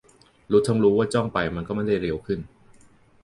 แบบรู้ทั้งรู้ว่าจ้องไปมันก็ไม่ได้เร็วขึ้น